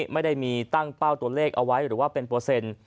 ไม่ได้มีตั้งเป้าตัวเลขเอาไว้หรือว่าเป็น